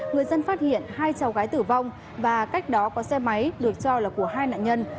người dân phát hiện hai cháu gái tử vong và cách đó có xe máy được cho là của hai nạn nhân